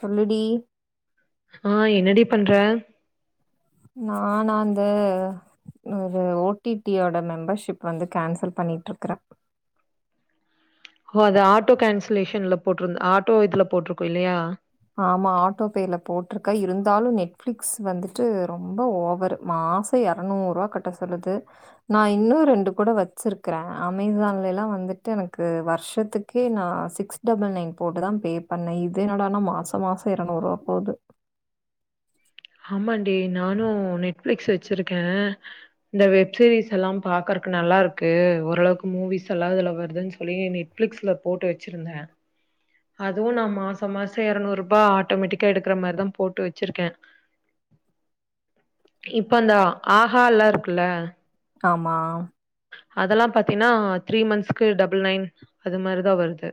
சொல்லுடி ஆ என்னடி பண்ற நானா அந்த ஒரு ஓடிடியோட மெம்பர்ஷிப் வந்து கேன்சல் பண்ணிட்டு இருக்குற ஓ அது ஆட்டோ கேன்சலேஷன்ல போட்டிருந்த ஆட்டோ இதுல போட்டிருக்கு இல்லையா ஆமா ஆட்டோபேல போட்டிருக்கா இருந்தாலு நெட்ஃபிளிக்ஸ் வந்துட்டு ரொம்ப ஓவர்ரு மாசோ எநூறு ரூபா கட்ட சொல்லுது நா இன்னு ரெண்டு கூட வச்சிருக்கற அமேசான்ல எல்லா வந்துட்டு எனக்கு வருஷத்துக்கே நா சிக்ஸ் டபுள் நைன் போட்டுதா பே பண்ணே இது என்டான மாச மாசம் மாசம் இருநூறு ரூபா போது ஆமாண்டி நானு நெட்பளிக்ஸ் வச்சிருக்கே இந்த வெப்சீரிஸ்லாம் பாக்குறக்கு நல்லா இருக்கு ஓரளவுக்கு மூவிஸ் எல்லாஇதுல வருதுன்னு சொல்லி நெட்பிளிக்ஸ்ல போட்டு வச்சிருந்த அதுவு நா மாச மாசோ எரநூறுபா ஆட்டோமேட்டிக்கா எடுக்கிற மாரிதா போட்டு வச்சிருக்கே இப்ப அந்த ஆஹாலா க்ல ஆமா அதெல்லாம் பாத்தீன்னா த்ரீ மந்த்ஸ்க்கு டபுள் நைன் அது மாரிதான் வருது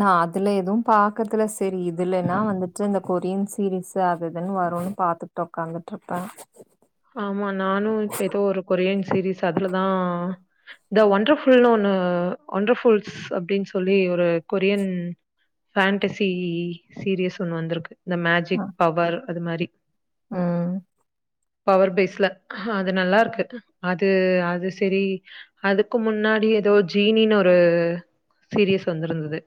நான் அதுல எதுவும் பாக்கறதுல சரி இதுலன்னா வந்துட்டு இந்த கொரியன் சீரிஸ் அதுஇதுனு வருனு பாத்த உக்காந்துட்டுருக்கேன் ஆமா நானும் இப்ப ஏதோ ஒரு கொரியன் சீரீஸ் அதுலதான் த ஒண்டர்புல்னு ஒன்னு த ஒண்டர்புல்ஸ் அப்படின்னு சொல்லி ஒரு கொரியன் பாண்டசி சீரியஸ் ஒண்ணு வந்திருக்கு த மேஜிக் ம் பவர் அது மாரி ம் பவர் பேஸ்ல அது நல்லா இருக்கு அது அது சரி அதுக்கு முன்னாடி ஏதோ ஜீனின்னு ஒரு சீரியஸ் வந்திருந்தது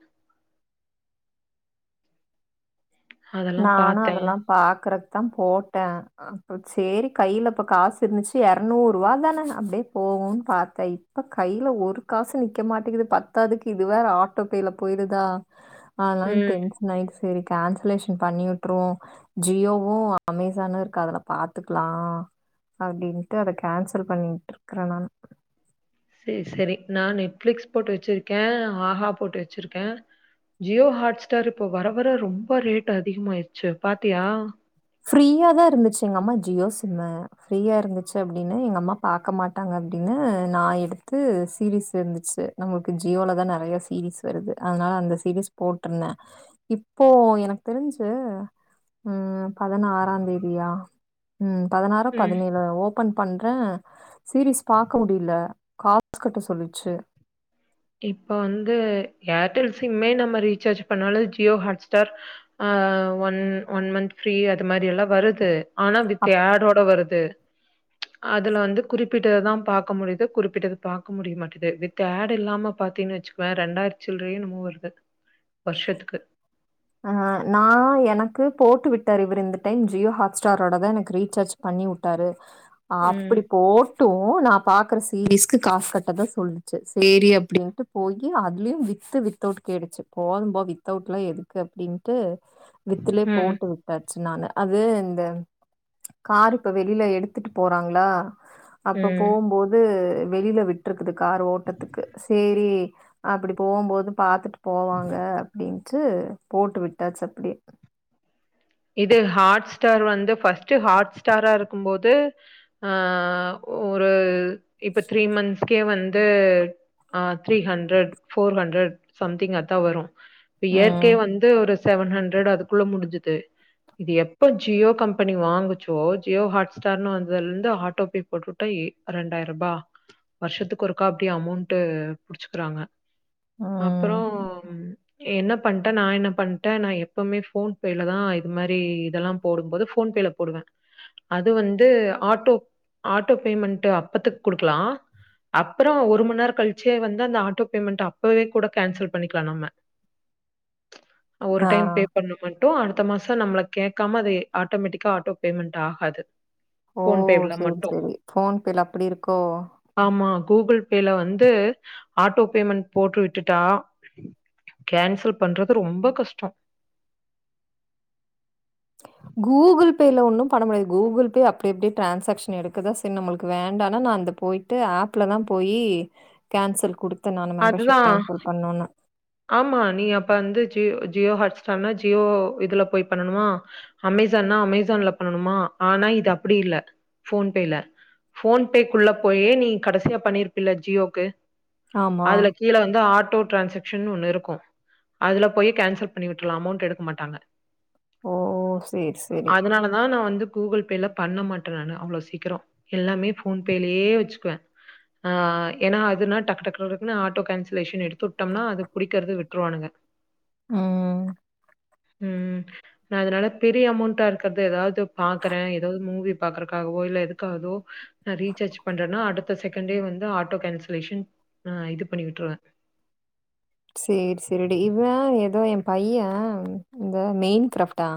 அதெல்லாம் நானும் பார்த்தேன். அதெல்லாம் பாக்குறக்கு தான் போட்டேன் ஆ சேரி கையில இப்ப காசு இருந்துச்சு இரநூறு ரூவ தான நே அப்படியே போகும்ன்னு பாரத்தேன் இப்ப கையில ஒரு காசு நிக்க மாட்டேங்குது பத்தாதுக்கு இது வேற ஆட்டோபேல போயிருதா அதுநால ம். டென்ஷன் ஆயிச்சு சரி கான்சலேஷன் பண்ணிவிட்டுருவோம் ஜியோவும் அமேசானும் இருக்கு அதுல பாத்துக்கலாம் அப்படின்னுட்டு அத கேன்சல் பண்ணிட்டு இருக்கறேன் நானு சேரி சேரி நான் நெட்பிளிக்ஸ் போட்டு வச்சிருக்கேன் ஆஹா போட்டு வச்சிருக்கேன் ஜியோ ஹாட் ஸ்டார் இப்ப வர வர ரொம்ப ரேட் அதிகமாயிடுச்சு பாத்தியா ஃப்ரீயா தான் இருந்துச்சு எங்க அம்மா ஜியோ சிம்மு ஃப்ரீயா இருந்துச்சு அப்படின்னு எங்க அம்மா பார்க்க மாட்டாங்க அப்படின்னு நான் எடுத்து சீரிஸ் இருந்துச்சு நம்மளுக்கு ஜியோல தான் நிறைய சீரிஸ் வருது அதனால அந்த சீரிஸ் போட்ருந்தேன் இப்போ எனக்கு தெரிஞ்சு ம் பதினாறாம் தேதியா ம் பதினாறு ம். பதினேழு ஓபன் பண்றன் சீரிஸ் பாக்க முடியல காசு கட்டு சொல்லிச்சு இப்ப வந்து ஏர்டெல் சிம்மே நம்ம ரீசார்ஜ் பண்ணாலும் ஜியோ ஹாட் ஸ்டார் ஆ ஒன் ஒன் மன்த் ஃப்ரீ அது மாரி எல்லாம் வருது ஆனா வித் அடோட வருது அதுல வந்து குறிப்பிட்டதுதான் பாக்க முடியுது குறிப்பிட்டது பாக்க முடிய மாட்டேது வித் ஆட் இல்லாம பாத்தீன்னனு வச்சுக்குவேன் ரெண்டாயிரச்சிலரே என்னமோ இருந்து இருக்கு ஆ நான் எனக்கு போட்டு விட்டாரு இவரு இந்த டைம் ஜியோ ஹாட் ஸ்டாரோட தான் எனக்கு ரீசார்ஜ் பண்ணி விட்டாரு ம். அப்படி போட்டும் நான் பாக்கிற சீரிஸ்க்கு காஸ் கட்ட தான் சொல்லச்சு சேரி அப்படின்ட்டு போயி அதுலயும் வித்து வித்அவூட்டு கேடுச்சு போதும்போது வித்தவுட்லாம் எதுக்கு அப்படின்ட்டு வித்துலயே ம். போட்டு உட்டாச்சு நானு அது இந்த காரு இப்ப வெளியில எடுத்துட்டு போறாங்களா அப்ப ம். போம்போது வெளியில விட்ருக்குது கார் ஓட்டத்துக்கு சரி அப்படி போகும்போது பாத்துட்டு போவாங்க அப்டின்ட்டு போட்டு விட்டாச்சு அப்டியே இது ஹாட் ஸ்டார் வந்து ஃபஸ்ட் ஹாட் ஸ்டாரா இருக்கும் போது அஹ் ஒரு இப்ப த்ரீ மந்த்ஸ் கே வந் து அ three hundred four hundred something அதா வரு இயற்கை ம். வந்து ஒரு செவன் ஹண்ட்ரட் அதுக்குள்ள முடிஞ்சுது இது எப்ப ஜியோ கம்பெனி வாங்குச்சோ ஜியோ ஹாட் ஸ்டார்ன்னு வந்ததுல இருந்து ஆட்டோபே போட்டுகிட்டா ஏ ரெண்டாயிர ரூபா வருஷத்துக்கு ஒருக்கா அப்டி அமௌண்ட்டு புடிச்சுக்கிறாங்க அப்புறோ ம். ஏ என்ன பண்ட்டே நா என்ன பண்ட்டே நா எப்பவுமே ஃபோன் பேலதா எ அது மாரி இதெல்லா போடும்பது ஃபோன்பேல போடுவே அது வந்து ஆட்டோ ஆட்டோ பேமெண்ட் அப்பத்துக்கு குடுக்கலா அப்புறோ ஒரு மணி நேரக் கழிச்சே வந்து அந்த ஆட்டோ பேமெண்ட் அப்பவே கூட கேன்சல் பண்ணிக்கலா நம்ம ஒரு ஆ. டைம் பே பண்ண மட்டு அடு த்த மாச் சொ நம்மள கேக்காம அது ஆட்டோமேட்டிக்கா ஆட்டோ பேமெண்ட் ஆகாது ஓ ஃபோன் பேல செரி மட்டும் சேரி ஃபோன்பேல அப்டி இருக்கோ ஆமா கூகுள் பேல வந்து ஆட்டோ பேமெண்ட் போட்டு விட்டுட்டா கேன்சல் பண்றது ரொம்ப கஷ்டொ கூகுள் பேல ஒன்னு பண்ண முடியாது கூகுள் பே அப்டி அப்டியே ட்ரான்சாகஷன் எடுக்குத செ நம்ளுக்கு வேண்டானா நா அந்த போயிட்டு ஆப்ல தா போய் கேன்சல் குடுத் து நானு மெம்பர்ஷிப் அதுதான் கேன்சல் பண்ணுனு ஆமா நீ அப்ப வந்து ஜியோ ஜியோ ஹாட்ஸ்டார்னா ஜியோ இதுல போய் பண்ணனுமா அமேசான்னா அமேசான்ல பண்ணணுமா ஆனா இது அப்டி இல்ல ஃபோன்பேல ஃபோன்பேக்குள்ள போயே நீ கடைசியா பண்ணிருப்பல்ல ஜியோக்கு ஆமா. அதுல கீழே வந்து ஆட் டோ டிரான்சாக் ஷன்னு ஒன்னு இருக்கு அதுல போய் கேன்சல் பண்ணி விட்டுட்லா அமௌண்ட் எடுக்க மாட்டாங்க ஓ! சரி, சரி. அதனாலதா நா வந்து கூகுள் பேல பண்ண மாட்டே நானு அவளோ சீக்கிரொ எல்லாமே ஃபோன்பேலயே வெச்சுக்குவே ஏனா அதுனால டக் டக் டக் டக்னு ஆட்டோ கான்சலேஷன் எடுத்துட்டோம்னா அ டுருவாணுங்க உம் உஹம் நா அதுனால பெரிய அமௌண்டா இருக்கற்து ஏதாவ்து பாக்கறே ஏதாவது மூவி பாக்ற க்காகவோ இல்ல எதுக்காகதோ ரீச்சார்ஜ் பண்றேனா அடுத்த செகண்ட்டே வந்து ஆட்டோ கான்சலேஷன் ஆ இது பண்ணி விட்றுவே சேரி சேரிடி இவ ஏதோ எம் பைய இந்த மெயின் கிராஃப்ட்டா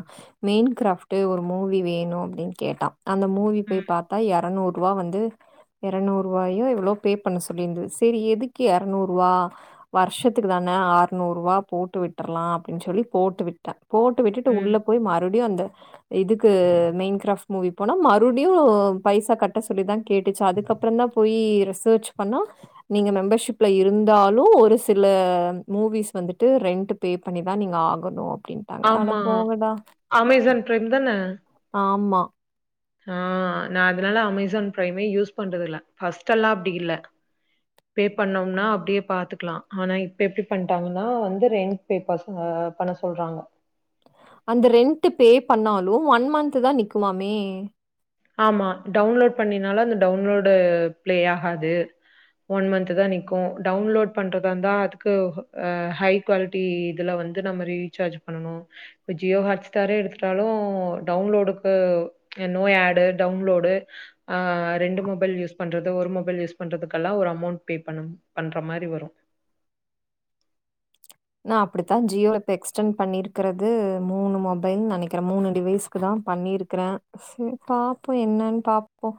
மெயின் கிராஃப்ட்டு ஒரு மூவி வேணு அப்டின்னு கேட்டா அந்த மூவி போய் ம், பாத்தா எரநூறு ருவா வந்து எரநூறு ரூவாயோ எவ்ளோ பே பண்ண சொல்லியிருந்து செரி எதுக்கு எரநூறு ரூவா வருஷத் துக்கு தானே ஆறுநூறு ரூவா போட்டு விட்டுர்லா அப்டின்னு சொல்லி போட்டு விட்டே போட்டு விட்டுட்டு ம். உள்ளே போய் மறுபடியு அந்த இதுக்கு மெயின் கிராஃப்ட் மூவி போனா மறுபடியு பைசா கட்ட சொல்லிதா கேட்டுச்சு அதுக்கப்புறந்தா போயி ரிசர்ச் பண்ணா நீங்க மெம்பர்ஷிப்ல இருந்தாலு ஒரு சி இல்ல மூவிஸ் வந்துட்டு ரெண்ட்ட் பே பண்ணி தா நீங்க ஆகணு ஆமா அமேசான் பிரைம் தானே ஆமா ஆஹ் நா அதனால அமேசான் பிரைமே யூஸ் பண்றது இல்ல பஸ்ட் எல்லா அப்டி இல்ல பே பண்ணோம்னா அப்டியே பாத்துக்கலா ஆனா இப்ப எப்டி பணிட்டாங்கன்னா வந்து ரெண்ட் பே பச பண்ண சொல்றாங்க அந்த ரெண்டட் பே பண்ணாலு ஒன் மந்த்த் தா நிக்குமாமே ஆமா டவுன்லோட் பண்ணினால அந்த டவுன்லோடு பிளே ஆகாது ஒன் மந்த்த தா நிக்கு டவுன்லோட் பண்றதாந்தா அதுக்கு அ ஹை குவாலிட்டி இதுல வந்து நம ரீசார்ஜ் பண்ணு இப்ப ஜியோ ஹாட் ஸ்டாரே எடுத்துட்டாலு டவுன்லோடுக்கு நோ ஆட் டவுன்லோடு ஆ ரெண்டு மொபைல் யூஸ் பண்றது ஒரு மொபைல் யுஸ் பண்றதுகெல்ல ஒரு அமௌட் பண்ற மாரி வரும் நா அப்டித்தா ஜியோ இப்ப எக்ஸ்டென் பண்ணிருக்கிறது மூணு மொபைல்னு நெனைக்கிறே மூணு டிவைஸ்க்கு தா பண்ணிருக்கறே செரி பாப்போ என்னன்னு பாப்போ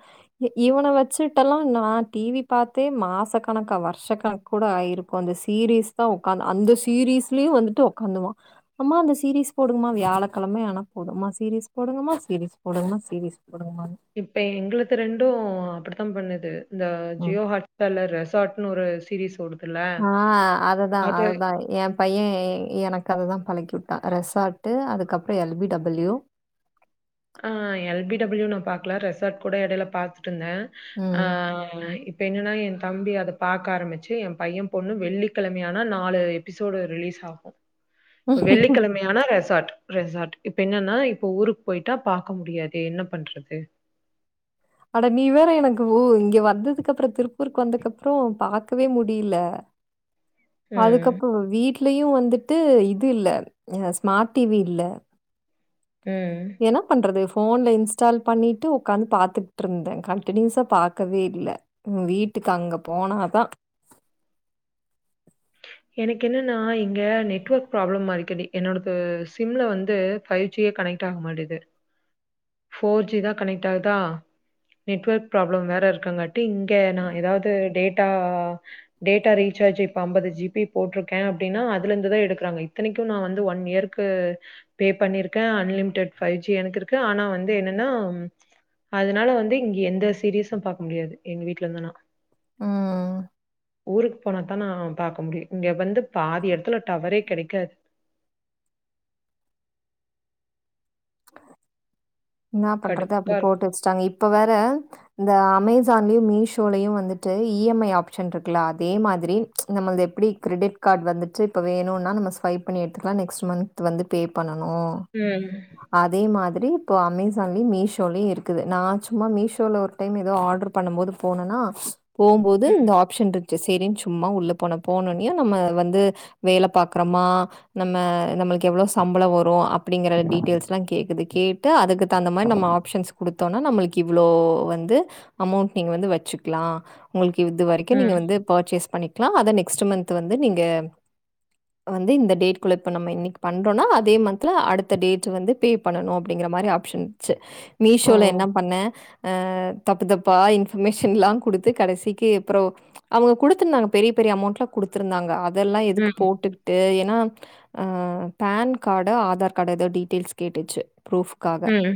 இ இவனை வச்சுட்டெல்லா நா டிவி பாத்தே மாச கணக்கா வருஷ கணக்க கூட ஆயிருக்கும் அந்த சீரீஸ் தா உ்காந்து அந்த சீ சீரீஸ்லயும் வந்துட்டு உட்காந்துவம் அம்மா அந்த சீரீஸ் போடுங்கமா வியாழக்கிழமை ஆனா போடுமா சீரீஸ் போடுங்கமா சீரீஸ் போடுங்க சீரீஸ் போடுங்கமா இப்ப எங்களுக்கு ரெண்டு அப்டித்தா பண்ணுது இந்த ம். ஜியோ ஹாட் ஸ்டாருல ரெசார்ட் ன்னு ஒரு சீரீஸ் ஓடுது ஆஹ் அதுதா அதுதா எ பைய எனக்கு அதுதா பழக்கி வுட்டா ரெசார்ட்டுஅதுக்கப்புறம் எல் பி டபிள்யூ ஆஹ் எல் பி டபள்யூ நா பாக்கலா ரெசார்ட் கூட எடையில பாத்து இருந்தேன் ஆஹ் என்னன்னா என் தம்பி அத பாகக்க ஆரம்பிச்சு எ பையன் பொண்ணு வெள்ளிக்கிழமையானா நாலு எபிசோடு ரிலீஸ் ஆகு ம். வெள்ளிக்கிழமையான ரெசார்ட் ரெசார்ட் இப்ப என்னன்னா இப்ப ஊருக்கு போயிட் விட்ட பாக்க முடியாது என்ன பண்றது அடா நீ வேற எனக்கு ஓ இங்க வந்ததுக்கு அப்புறோ திருப்பூருக்கு வந்தக்கப்புற பாக்கவே முடியல ம். அதுக்கப்புற வீட் லயும் வந்துட்டு இது இல்ல ஹ ஸ்மார்ட் டிவி இல்ல ம். என்ன பண்றது போன்ல இன்ஸ்டால் பண்ணிட்டு உ்காந்து பாத்துக்கிட்டு இருந்தே கண்டடினியூஸா பாக்கவே இல் உ வீட்டுக்கு அங்க போனாதா எனக்கு என்னன்னா இங்க நெட்ஒொர்க் ப்ராப்ளம் மா இருக்கது என்னோட சிம்ல வந்து ஃபைவ் ஜியே கனெக்ட் ஆக மாட்டுகுது ஃபோர் ஜி தா கனெக்ட் ஆகுதா நெட்வெர்க் ப்ராப்ளம் வேற இருக்கு அங்க இங்க நா ஏதாது டேட் டா டேட்டா ரிச்சார்ஜ் இப்ப ஐம்பது ஜிபி போட்டு இருக்குகே அப்டினா அதுல இருந்துதா எடுக்குறாங்க இத்தனைக்கு நா வந்து ஒன் இயர்க்கு பே பண்ணி இருக்கா அன்லிமிடெட் பயிற்சி எனக்கிருக்கா ஆனா வந்து வந்து என்னன்னா அதனால வந்து இங்க எந்த சீரியஸும் பாக்க முடியாது எங்க வீட்டுல இருந்தனா ம் ஊருக் போனத்தா நா பாக்க முடியு இங்க வந்து பாதி இடத்துல டவரே கெடைக் ஹக் ஆஹ என்னாப் பண்றத அப்டி கடுப்பா இருக்கும். போட்டு வெச்சுட்டாங்க இப்ப வேற இந்த அமேசான்லேயையு மீஷோலயையு வந்துட்டு இ எம் ஐ ஆப்ஷன் இருக்குல அதே மாதிரி நம்மளது எப்டி கிரெடிட் கார்டு வந்துட்டு இப்போ வேணும்னா நம்ம ஸ்வைப் பண்ணி எடுத்துக்கலாம் நெக்ஸ்ட் மந்த்த் வந்து பே பண்ணணு உஹம் அதே மாதிரி இப்போ அமேசான்லயு மீஷோலயு இருக்குது நா சும்மா மீஷோவில் ஒரு டைம் ஏதோ ஆர்டரு பண்ணு போது போனேன்னா போகும்போது ம். இந்த ஆப்ஷன் இருக் சனு சும்மா உள்ள போன போனா நம்ம வந்து வேல பாக்கறோமா நம் நம்மளுக்கு எவ்வளோ சம்பலோ வரு அப்படிங்கற ஸ்ல்லாம் கேக்குது கேட்டு அதுக்கு தந்த மாரி நம்ம ஆப்ஷன்ஸ் கொடுத்தோ நா நம்மளுக்கு இவ்வளோ வந்து அமௌண்டட் நீங்க வந்து வச்சுக்கலாம் உங்களுக்கு இது வரைக்கு நீங்க ம். வந்து பர்ச்சேஸ் பண்ணி அத நெக்ஸ்ட் மந்த் வந்து நீங்க வந்து இந்த டேட கு நம்ம இன்னைக்கு பண்றோனா அதே மந்த்த்ல அடுத்த டேட ட்டு வந்து பே பண்ணனு அப்படிங்கற மாரி ஆப்ஷன்ச்சு ஓ! மீஷோல என்ன பண்ண ஆஹ் தப்பு தப்பா இன்ஃபர்மேஷன்லா கொடுத்து கடைசிக்கு அப்ரோ அவங்க கொடுத்துருந்தாங்க பெரிய பெரிய அமௌண்ட்லா கொடுத்தருந்தாங்க அதெல்லா எதுக்கு ம். போட்டுக்கிட்டு பான் கார்டு ஆதார் கார்டு ஏதோது டீட தில்ஸ் கேட்டிச்சு ப்ரூஃப்காக ம்.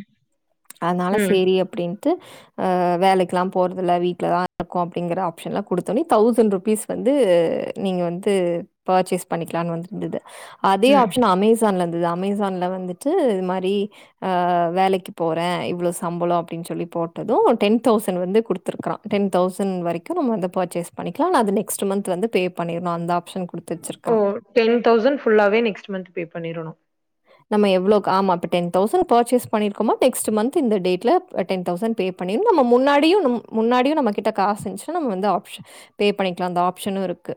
அதனால ம். சரி அப்படின் வேலைக்குலாம் போறதில்ல வீட்டுலதான் இருக்கும் அப்படிங்கற ஆப்ஷன்லாம் குடுத்தோனே தௌசண்ட் ருபீஸ் வந்து நீங்க வந்து பர்ச்சேஸ் பண்ணிக்கலாம்னு வந்துருந்தது அதே ம். ஆப்ஷன் அமேசான்ல து அமேசான்ல வந்து டு இது மாரி் ஆ வேலைக்கு போறேன் இவ்ளோ சம்பலோ அப்படின்னு சொல்லி போட்டது டென் தௌசண்ட் வந்து கொடுத்துருக்கான் டென் தௌசண்ட் வரைக்கு நம்ம வந்து பர்ச்சேஸ் பண்ணிக்கலா நெக்ஸ்ட் மந்த் வந்து பே பண்ணிருனு ஓ டென் தௌசண்ட் ஃபுல்லாவே நெக்ஸ்ட் மந்த் பே பண்ணிரணு நம்ம எவ்ளுக்கு ஆமா இப்ப டென் தௌசண்ட் பர்ச்சேஸ் பண்ணிருக்கோம நெக்ஸ்ட் மந்த் இந்த டேட்ல டென் தௌசண்ட் பே பண்ணி நம்ம முன்னாடியு நம் முன்னாடியு நம்ம கிட்ட காச இந்துச்சினா நம்ம வந்து ஆப்ஸன் பே பண்ணிக்கலா அந்த ஆப்ஸனும் இருக்கு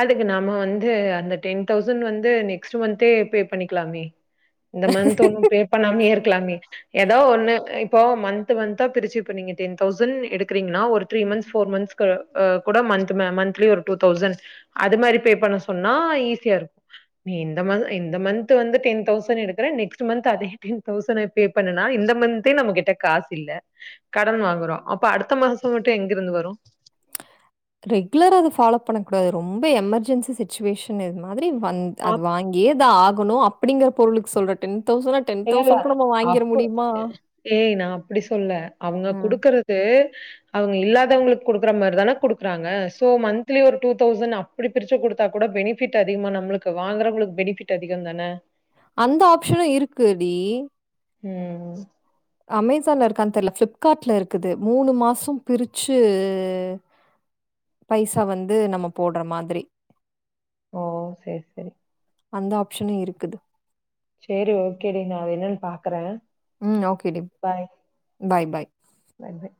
அதுக்கு நாம வந்து அந்த டென் தௌசண்ட் வந்து நெக்ஸ்ட் மந்த்தே பே பண்ணிக்கலாமே இந்த மந்த் ஒண்ணு பே பண்ணாமே இருக்கலாமே ஏதோ ஒண்ணு இப்போ மந்த் மந்த்தா பிரிச்சு இப்ப நீங்க டென் தௌசண்ட் எடுக்கறீங்கன்னா ஒரு த்ரீ மந்த்ஸ் போர் மந்த்ஸ்க்கு கூட மந்த் மந்த்லி ஒரு டூ தௌசண்ட் அது மாரி பே பண்ண சொன்னா ஈஸியா இருக்கு நீ இந்த மந் நீ இந்த மந்த் வந்து டென் தௌசண்ட் எடுக்கறன் நெக்ஸ்ட் மந்த் அதே டென் தௌசண்ட் பே பண்ணனா இந்த மந்த்தே நம்ம கிட்ட காசு இல்ல கடன் வாங்குறோ அப்ப அடுத்த மாசம் மட்டு எங்க இருந்து வரும் ரெகுலரா அது ஃபாலோ பண்ணக்க கூடாது ரொம்ப எமர்ஜென்சி சிச்சுவேஷன் இது மாதிர மாி வ அது அப்ப வாங்கிதா ஆகணு அ அப்டிங்கிற பொருளுக்கு சொல்ற டன் தௌசண்டா டென் இல்ல. தௌசண்க்கு நம்ம வாங்கிட முடியுமா ப்படி சொல்ல அவங்க ம். கொடுக்குறது அவங்க இல்லாதவங்களுக் குடுக்குற மாரி தானே குடுக்குறாங்க சோ மந்த்லி ஒரு டூ தௌசண்ட் அப்படி பிரிச்சு குடுத்தா கூட பெனிஃபிட் அதிகமா நம்மளுக்கு வாங்கறவங்களுக்கு பெனிபிட் அதிகம் தானே அந்த ஆபஷனு இருக்குடி ம் அமேசான்ல இருக்கான்னு தெரியல ஃப்ளிப்கார்ட்ல இருக்குது மூணு மாஷோ பிரிச்சு பைசா வந்து நம்ம போடுற மாதிரி ஓ சரி சரி அந்த ஆபஷனு இருக்குது சரி ஓகேடி நா என்னன்னு பாக்குற ம் ஓகே டி பாய் பாய் பாய், பாய்.